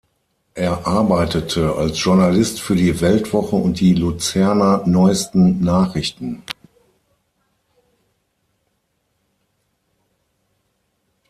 Er arbeitete als Journalist für die "Weltwoche" und die "Luzerner Neuesten Nachrichten".